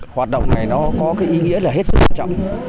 hoạt động này nó có cái ý nghĩa là hết sức quan trọng